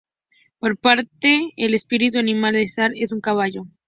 Por otra parte, el espíritu animal de Sarah es un caballo.